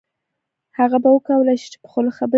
هغه به وکولای شي چې په خوله خبرې وکړي